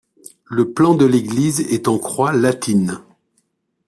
Le plan de l'église est en croix latine.